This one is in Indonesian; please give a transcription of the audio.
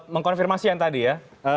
mengkonfirmasi yang tadi ya